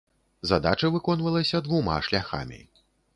Задача выконвалася двума шляхамі.